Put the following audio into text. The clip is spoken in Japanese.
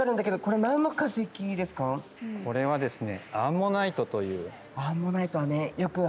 これはですね